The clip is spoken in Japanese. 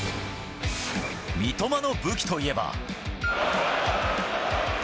三笘の武器といえば。